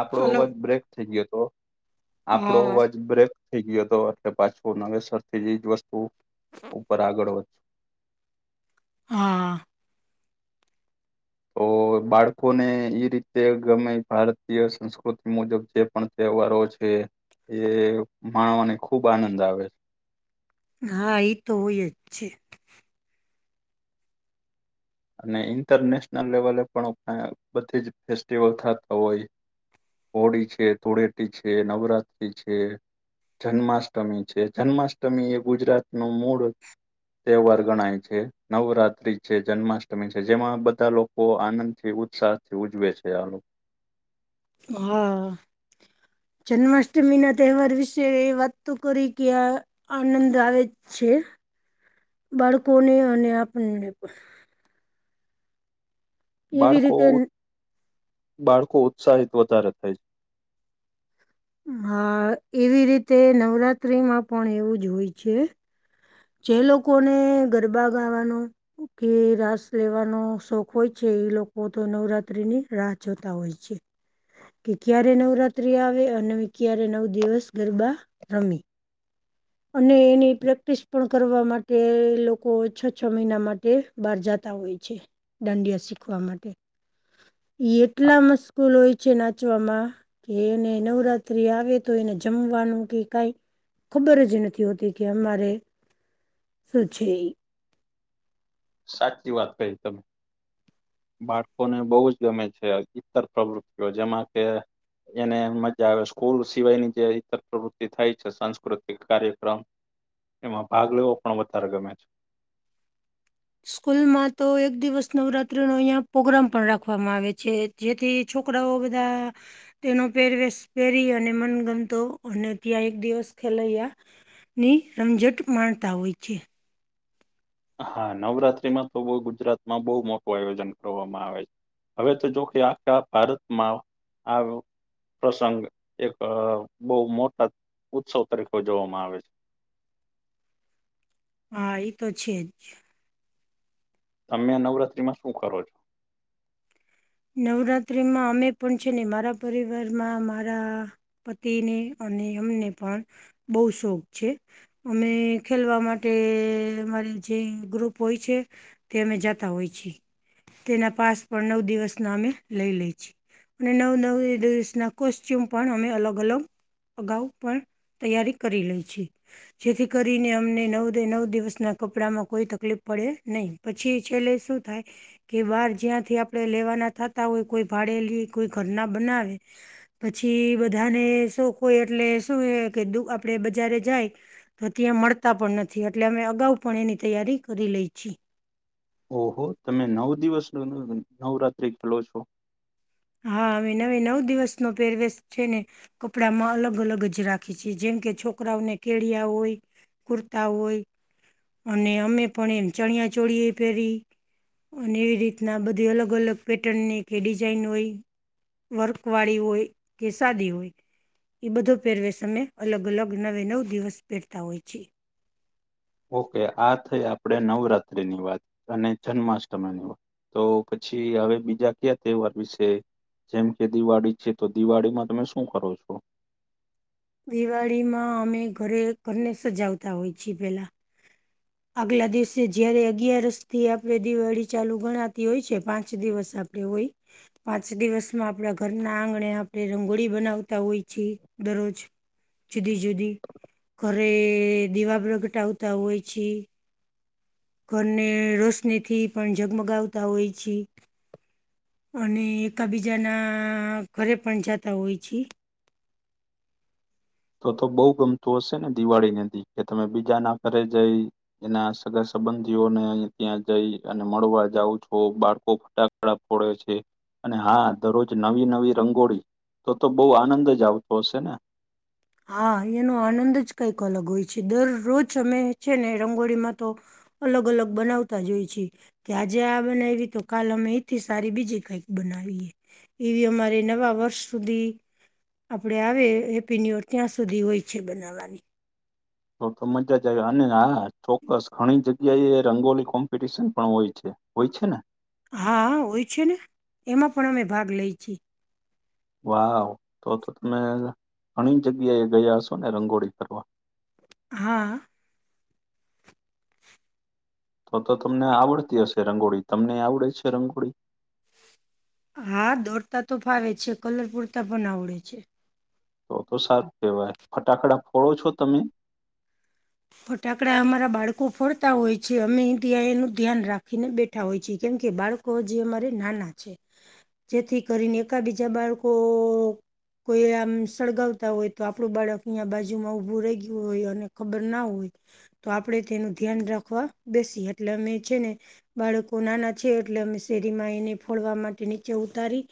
આપડો હલો અવાજ બ્રેક થઈ ગયો હતો આપણો હા અવાજ બ્રેક. થઈ ગયો હતો એટલે પાછસો નવેસર થી જજ વસ્તુ ઉપર આગળ વધી. હા. તો બાળકોને એઈ રીતે ગમે ભારતીય સંસ્કૃતિ મુજબ જે. પણ તહેવારો છે એ માણવાને ખુબ આનંદ આવે છે. હ એ તોય છે. અને ઇન્ટરનેશનલ લેવલે પણ બધી જ ફેસ્ટિવલ થતા હોય. હોળી છે ધૂળેટી છે નવરાત્ર્રી છે. જન્માષ્ટમી છે જન્માષ્ટમી એ ગુજરાત નું મૂળ. તહેવાર ગણાય છે નવરાત્રી છે જન્માષ્ટમી. ત છે જેમાં બધા લોકો આનંદ થી ઉત્સાહ થી ઉજવે છે આ. હા. જન્માષ્ટમી ના તહેવાર વિશે વાત તો કરી કે આ આનંદ આવે. છે બાળકોને અને આપણને પણ એવી બાળકો રીતે બાળકો ઉત્સાહિત વધારે થાય છે હા એવી રીતે નવરાત્રિમાં પણ એવું જ હોય છે જે લોકોને ગરબા ગાવાનો કે રાસ લેવાનો શોખ હોય છે એ લોકો તો નવરાત્રી ની રાત જોતા હોય છે કે ક્યારે નવરાત્રી આવે અને ક્યારે નવ દિવસ ગરબા રમેી અને એની પ્રેક્ટિસ પણ કરવા માટે લોકો છ છ મહિના માટે બહાર જતા હોય છે દાંડિયા શીખવા માટે હા એટલા મશકૂલ હોય છે નાચવામાં કે એને નવરાત્ર્રી આવે તો એને જમવાનું કે કઈ ખબર જ નથી હોતી કે અમારે સૂચ સાચી વાત કરી તમે બાળકોને બહુ જ ગમે છે ઈતર પ્રવૃત્તિઓ જેમાં કે એને મજા આવે સ્કૂલ સિવાય ની જેઈતર પ્રવૃતિ થાય છે સાંસ્કૃતિક કાર્યક્રમ એમાં ભાગ લેવો પણ વધારે ગમે છે સ્કૂલમાં તો એક દિવસ નવરાત્રી નો અહીિયાં પોગ્રામ પણ રાખવામાં આવે છે જેથી છોકરાઓ બધા તેનો પહેરવેશ પહેરી અને મનગમતો અને ત્યાં એક દિવસ ખેલાયા ની રમઝટ માણતા હોય છે હા નવરાત્રીમાં તો બ ગુજરાતમાં બહુ મોટું આયોજન કરવામાં આવે છે હવે તો જોકે આખા ભારતમાં આવ્યો પ્રસંગ એક બહુ મોટા ઉત્સવ તરીકે જોવામાં આવે છે હા એ તો છે જ તમે નવરાત્ર્રીમાં શું કરો છો નવરાત્રિમાં અમે પણ છે ને મારા પરિવારમાં મારા પતિને અને અમને પણ બહ શોખ છે અમે ખેલવા માટે અમારે જે ગ્રુપ હોય છે તે અમે જતા હોય છીએ તેના પાસ પણ નવ દિવસ ના અમે લઈ લે છીએ અને નવ નવી દસના કોસ્ટચ્યુમ પણ અમે અલગ અલગ અગાઉ પણ તૈયારી કરી લે છે જેથી કરીને અમને નવ દે નવ દિવસનાં કપડાંમાં કોઈ તકલીફ પડે નહીં પછી છેલ્લે શું થાય કે બહાર જ્યાંથી આપડે લેવાના થતા હોય કોઈ ભાડેલી કોઈ ઘર ના બનાવે પછી બધાને શોખ હોય એટલે શું કે આપડે બજારે જાય તો ત્યાં મળતા પણ નથી એટલે અમે અગાઉ પણ એની તૈયારી કરી લઈ છીએ ઓહો તમે નવ દિવસ નવરાત્ર્રી ખેલો છો હા હવે નવે નવ દિવસ નો પેરવેશ છે ને કપડામાં અલગ અલગ જ રાખે છે જેમ કે છોકરાઓને કેળિયા હોય કુર્તા હોય અને અમે પણ એમ ચણિયા ચોળ એ પહેરી અને એવી રીતના બધી અલગ અલગ પેટર્ન ની કે ડિઝાઇન હોય વર્ક વાળી હોય કે સાદી હોય એ બધો પહેરવે સમમે અલગ અલગ નવે નવ દિવસ પહેરતા હોય છે ઓકે આ થઈ આપણેે નવરાત્રીની વાત અને જન્માષ્ટમીની વાત તો પછી હવે બીજા ક્યા તહેવાર વિશે જેમ કે દિવાળી છે તો દિવાળીમાં તમે શું કરો છો દિવાળીમાં અમે ઘરે ઘરને સજાવતા હોય છીએ પેલા [inaudible] આગલા દિવસે જયારે અગિયારસ થી આપણે દિવાળી ચાલુ ગણાતી હોય છે પાંચ દિવસ આપડે હોય પાંચ દિવસમાં આપણા ઘરના આંગણે આપણે રંગોળી બનાવતા હોય છેએ દરરોજ જુદી જુદી ઘરે દીવા પ્ર પ્રગટાવતા હોય છે ઘરને રોશની થી પણ જગમગાવતા હોય છે અને એકાબીજાના ઘરે પણ જાતા હોય છે તો તો બહુ ગમતું હશે ને દિવાળી નદી કે તમે બીજા ના કરરે જઈ એના સગા સંબંધીઓને અહી ત્યાં જઈ અને મળવા જાઉં છો બાળકો ફટાક ફોડ્યો છે અને હા દરરોજ નવી નવી રંગોળી તો તો બઉુ આનંદ જ આવતો હશે ને? હા એનો આનંદ જ કંઈક અલગ હોય છે, દરરોજ અમે છે ને રંગોળીમાં તો અલગ અલગ બનાવતા જોઈ છે. કે આજે આ બનાવી તો કાલ અમે એથી સારી બીજી કંઈક બનાવીએ. એવી અમારે નવા વર્ષ સુધી આપડે આવે હેપી ન્યૂ ત્યાં સુધી હોય છે, બનાવવાની. તો તો મજા જ આવી અને હા ચોક્કસ ઘણી જગ્યા એ રંગોલી કોમ્પિટિશન પણ હોય છે. હોઈ છે ને. હા હોય છે, ને એમાં પણ અમે ભાગ લઈ છીએ વાહ તો તો તમે ઘણી જગ્યાએ ગયા હસો ને રંગોળી કરવા. હા. તો તો તમને આવડતી હશે રંગોળી તમને આવડે જ છે રંગોળી? હા દોડતા તો ફાવે છે, કલર પૂરતા પણ આવડે છે. તો તો સારું કેવાય ફટાકડા ફોડો છો તમે? ફટાકડા અમારા બાળકો ફોરતા હોય છે, અમે ત્યાં એનું ધ્યાન રાખીને બેઠ ઠા હોય છે કેમ કે બાળકો જે અમારે નાના છે. જેથી કરીને એકા બીજા બાળકો. કોઈ આમ સળગાવતા હોય તો આપણું બાળક અહીંયા બાજુમાં ઉભું રહી ગયું હોય અને ખબર ના હોય તો આપણે તેનું ધ્યાન રાખવા બેસી એટલે અમે છે ને બાળકો નાના છે, એટલે અમે શેરીમાં એને ફોડવા માટે નીચે ઉતારી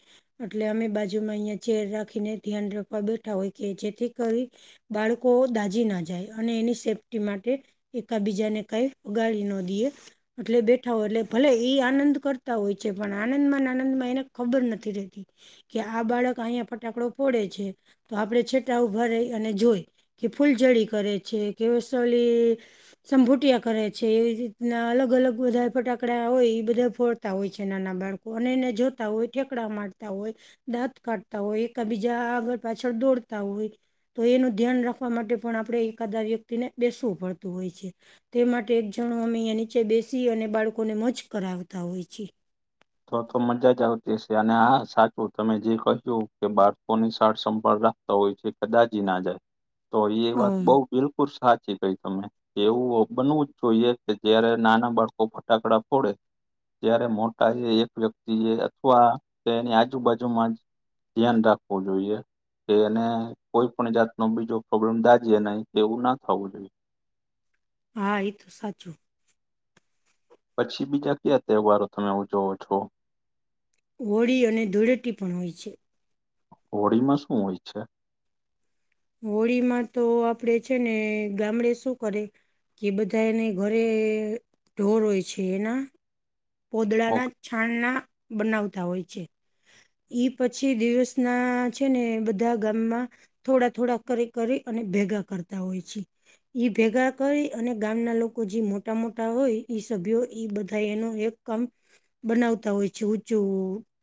એટલે અમે બાજુમાં અહીંયા ચેર રાખીને ધ્યાન રખવા બેઠા હોય કે જેથી કરી બાળકો દાજી ના જાય અને એની સેફ્ટી માટે એકબીજાને કઈ વગાડી ન દઈએ એટલે બેઠા હોય એટલે ભલે એ આનંદ કરતા હોય છે, પણ આનંદમાં આનંદમાં એને ખબર નથી રહેતી. કે આ બાળક અહિયાંયા ફટાકડો ફોડે છે, તો આપડે છેટા ઉભા રહી અને જોઈ કે ફૂલઝડી કરે છે, કે વસલી સંભૂટિયા કરે છે, એ રીતના અલગ અલગ બધા ફટાકડા હોય એ બધા ફોડતા હોય છે, નાના બાળકો એને જોતા હોય ઠેકડા મારતા હોય. દાંત કાઢતા હોય એક બીજા આગળ પાછળ દોડતા હોય તો એનું ધ્યાન રાખવા માટે પણ આપણે એકાદા વ્યક્તિને બેસવું પડતું હોય છે. તે માટે એક જણું અમે અહીંયા નીચે બેસી અને બાળકોને મોજ કરાવતા હોય છીએ. તો તો મજા જ આવતી હશે અને હા સાચું તમે જે કહ્યું કે બાળકોની સાળ સંભાળ રા ખતા હોય છે, કે દાજી ના જાય તો એ વાત બઉ અમ, બિલકુલ સાચી કઈ તમે. એવું બનવું જ જોઈએ કે જયારે નાના બાળકો ફટાકડા ફોડે ત્યારે મો ટા એક વ્યક્તિ જે અથવા તેની આજુબાજુમાં ધ્યાન રાખવું જોઈએ. કે એને કોઈ પણ જાત નો બીજો પ્રોબ્લેમ દાજી નહી એવું ના થવું જોઈએ હા એ તો સાચું. પછી બીજા કયા તહેવારો તમે ઉજવો છો? હોળી અને ધૂળેટી પણ હોય છે. હોળીમાં શું હોય છે? હોળીમાં તો આપડે છે ને ગામડે શું કરે કે બધા એને ઘરે ઢોર હોય છે, એના પોદડાના ઓકે છાણ ના બનાવતા હોય છે. ઈ પછી દિવસ ના છે, ને બધા ગામમાં થોડા થોડા કરી કરી અને ભેગા કરતા હોય છે. ઈ ભેગા કરી અને ગામના લોકો જે મોટા મોટા હોય સભ્યો બધા એનો એક કામ બનાવતા હોય છે, ઊચું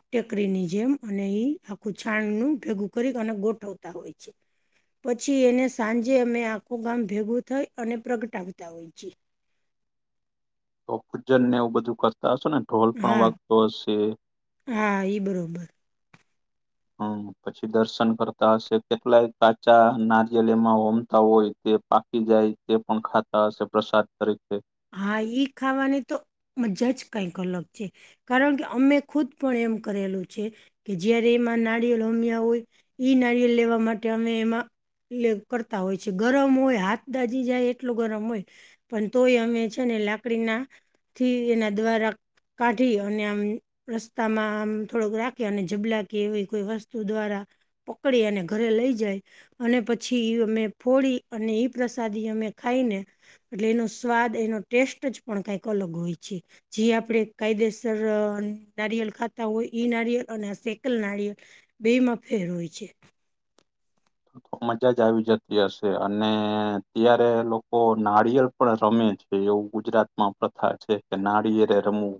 ટેકરીની જેમ અને એ આખું છાણનું ભેગું કરી અને ગોઠવતા હોય છે. પછી એને સાંજે અમે આખું ગામ ભેગું થઈ અને પ્રગટાવતા હોઈ છી. તો ખુજર ને એવું બધું કરતા હશો ને ઢોલ પણ હા વાગતો હશે. હા ઈ બરોબર હહ પછી દર્શન કરતા હશે કેટલાય કાચા નારિયેલ એમાં હોમતા હોય. જે પાકી જાય તે પણ ખાતા હશે પ્રસાદ તરીકે. હા ઈ ખાવાની તો મજા જ કંઈક અલગ છે. કારણ કે અમે ખુદ પણ એમ કરેલું છે. કે જયારે એમાં નારિયળ હોમ્યા હોય ઈ નારિયલ લેવા માટે અમે એમાં એટલે કરતા હોય છે ગરમ હોય હાથ દાજી જાય એટલું ગરમ હોય પન તોય અને છે ને લાકડીના થી એના દ્વારા કાઢી અને આમ રસ્તામાં આમ થોડોક રાખે અને જબલા કે એવી કોઈ વસ્તુ દ્વારા પકડી અને ઘરે લઈ જાય. અને પછી અમે ફોડી અને ઈ પ્રસાદી અમે ખાઈને એટલે એનો સ્વાદ એનો ટેસ્ટ જ પણ કાઈક અલગ હોય છે. જે આપણે કાયદેસર નારિયેલ ખાતા હોય ઈ નારિયળ અને આ સેકલ નારિયેલ બેયમાં ફેર હોય છે. તો તો મજા જ આવી જતી હશે અને ત્યારે લોકો નારિયળ પણ રમે છે એવું ગુજરાતમાં પ્રથા છે કે નાળિયેરે રમવું.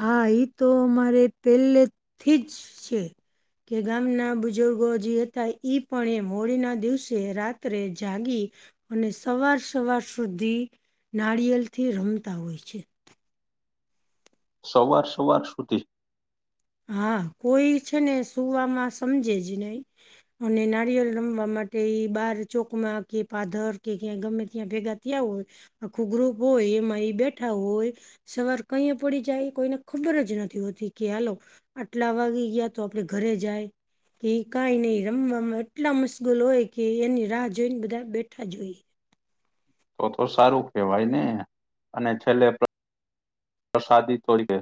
હા ઈ તો અમારે પેલેથી જ છે. કે ગામના બુજુર્ગો જે હતા ઈ પણ એમ હોળીના દિવસે રાત્રે જાગી અને સવાર સવાર સુધી નારિયલથી રમતા હોય છે. સવાર સવાર સુધી? હા કોઈ છે ને સુવામાં સમજે જ નહી. અને નારિયેલ રમવા માટે ઈ બાર ચોકમાં કે પાધર કે ક્યાં ગમે ત્યાં ભેગા ત્યાં હોય આખું ગ્રુપ હોય એમાં ઈ બેઠા હોય સવાર કઈએ પડી જાય એ કોઈને ખબર જ નથી હોતી કે હાલો આટલા વાગી ગયા તો આપડે ઘરે જાય. કે કાઈ નહીં રમવામાં એટલા મુશ્ગલ હોય કે એની રાહ જોઈને બધા બેઠા જ હોઈ. તો તો સારું કહેવાય ને અને છેલ્લે પ્રસાદી છોડી દે.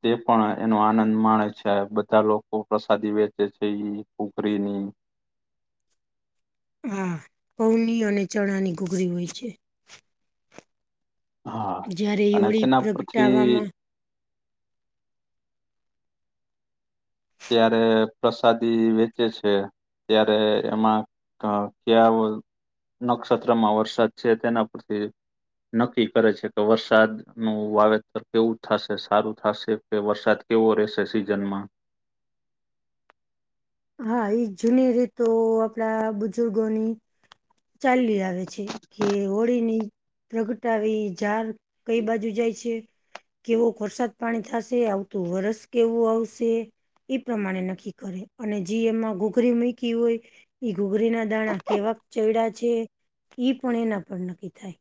તે પણ એનો આનંદ માણે છે. બધા લોકો પ્રસાદી વેચે છે ઈ કુકરીની હા પૌની અને ચણાની ઘૂઘરી હોય છે. હા જયારે અને હોળી તેના પરથી પ્રગટાવામાં ત્યારે પ્રસાદી વેચે છે. ત્યારે એમાં અ ક્યાં વ નક્ષત્રમાં વરસાદ છે તેના પરથી નક્કી કરે છે તો વરસાદનું વાવેતર કેવું થાશે, સારું થાશે કે વરસાદ કેવો રહેશે સિઝનમાં હા ઈ જૂની રીતો આપડા બુજુર્ગોની ચાલી આવે છે કે હોળીની પ્રગટાવી ઝાર કઈ બાજુ જાય છે. કેવોક વરસાદ પાણી થાશે, આવતું વરસ કેવું આવશે, ઈ પ્રમાણે નક્કી કરે અને જી એમાં ઘૂઘરી મુયકી હોય ઈ ઘૂઘરીના દાણા કેવાક ચયડા છે ઈ પણ એના પર નક્કી થાય.